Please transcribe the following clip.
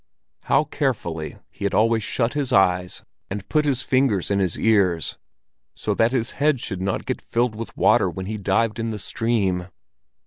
How carefully he had always shut his eyes and put his fingers in his ears, so that his head should not get filled with water when he dived in the stream!